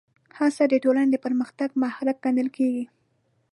هڅه د ټولنې د پرمختګ محرک ګڼل کېږي.